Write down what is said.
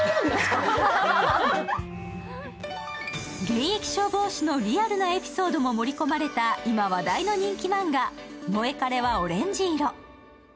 現役消防士のリアルなエピソードも盛り込まれた今話題の人気漫画、「モエカレはオレンジ色」。